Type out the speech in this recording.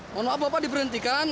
mohon maaf bapak diberhentikan